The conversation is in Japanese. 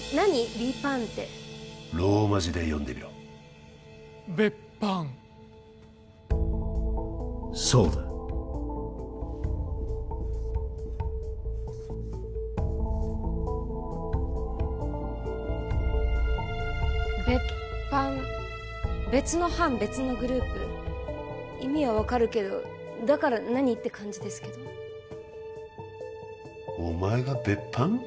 ヴィパァンってローマ字で読んでみろベッパンそうだ別班別の班別のグループ意味は分かるけどだから何？って感じですけどお前が別班？